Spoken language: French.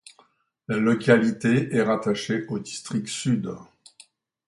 La localité est rattachée au district sud.